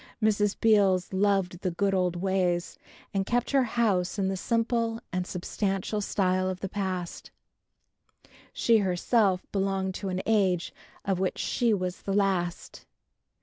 Mrs. Beals loved the good old ways and kept her house in the simple and substantial style of the past. She herself belonged to an age of which she was the last.